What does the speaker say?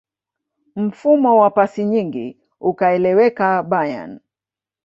mfumo wa pasi nyingi ukaeleweka bayern